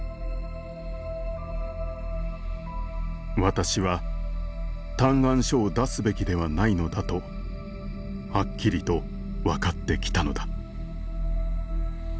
「私は嘆願書を出すべきではないのだとはっきりと判ってきたのだ」